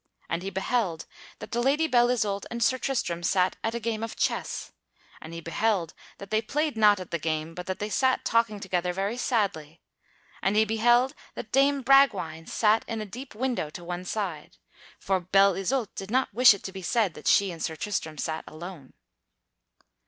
And he beheld that the Lady Belle Isoult and Sir Tristram sat at a game of chess, and he beheld that they played not at the game but that they sat talking together very sadly; and he beheld that Dame Bragwaine sat in a deep window to one side for Belle Isoult did not wish it to be said that she and Sir Tristram sat alone.